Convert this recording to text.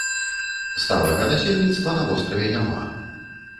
Сталага насельніцтва на востраве няма.